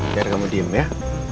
biar kamu diem ya